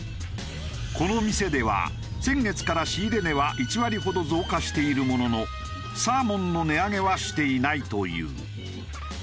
この店では先月から仕入れ値は１割ほど増加しているもののサーモンの値上げはしていないという。